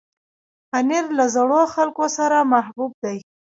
پنېر له زړو خلکو سره محبوب دی.